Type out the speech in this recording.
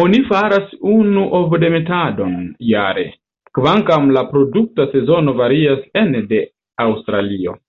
Oni faras unu ovodemetadon jare, kvankam la reprodukta sezono varias ene de Aŭstralio.